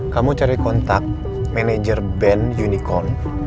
kamu cari kontak manajer band unicorn